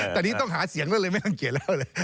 ตอนนี้ต้องหาเสียงแล้วเลยไม่รังเกียจแล้วเลย